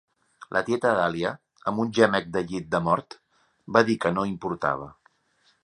La tieta Dahlia, amb un gemec de llit de mort, va dir que no importava.